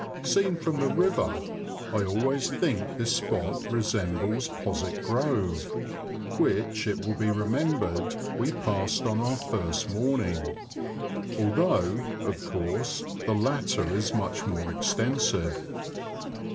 Seen from the river, I always think this spot resembles Postwick Grove (which, it will be remembered, we passed on our first morning), although, of course, the latter is much more extensive.